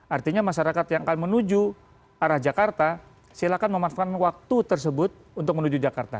artinya masyarakat yang akan menuju arah jakarta silakan memanfaatkan waktu tersebut untuk menuju jakarta